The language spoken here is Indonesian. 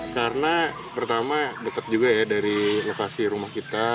karena pertama dekat juga ya dari lokasi rumah kita